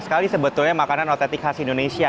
sekali sekali sebetulnya makanan authentic khas indonesia